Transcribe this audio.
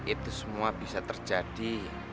itu semua bisa terjadi